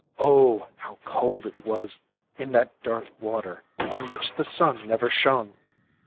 Oh, how cold it was in that dark water on which the sun never shone!